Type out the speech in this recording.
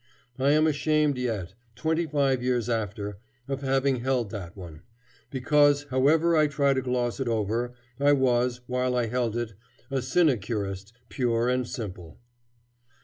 I am ashamed yet, twenty five years after, of having held that one. Because, however I try to gloss it over, I was, while I held it, a sinecurist, pure and simple.